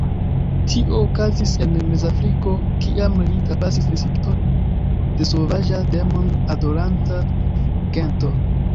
Tio okazis en Mezafriko, kiam li trapasis distrikton de sovaĝa, demon-adoranta gento.